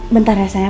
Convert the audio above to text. bentar ya sayang